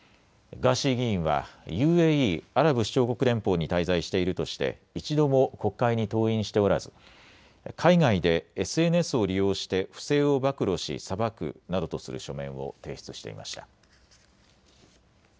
ガーシー議員はＵＡＥ・アラブ首長国連邦に滞在しているとして１度も国会に登院しておらず海外でＳＮＳを利用して不正を暴露し裁くなどとする書面を提出していました。